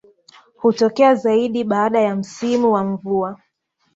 Hutokea zaidi baada ya msimu wa mvua